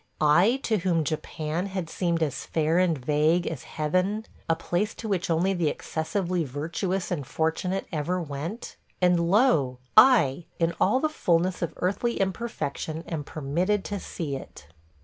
... I, to whom Japan had seemed as fair and vague as heaven – a place to which only the excessively virtuous and fortunate ever went? ... And, lo! I, in all the fulness of earthly imperfection, am permitted to see it!